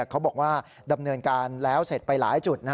เขาบอกว่าดำเนินการแล้วเสร็จไปหลายจุด